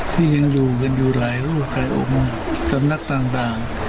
ที่ยังอยู่กันอยู่หลายรูปหลายองค์สำนักต่าง